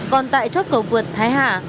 còn tại chốt cầu vượt thái hà